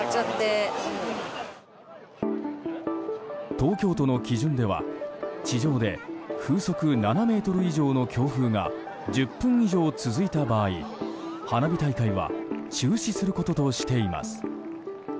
東京都の基準では、地上で風速７メートル以上の強風が１０分以上続いた場合花火大会は中止することとしています。